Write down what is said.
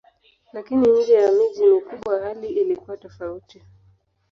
Lakini nje ya miji mikubwa hali ilikuwa tofauti.